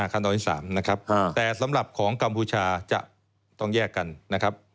ขั้นตอนที่๓นะครับแต่สำหรับของกัมพูชาจะต้องแยกกันนะครับ